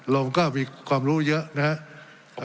เราก็มีความรู้เยอะนะครับ